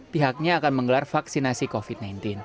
pihaknya akan menggelar vaksinasi covid sembilan belas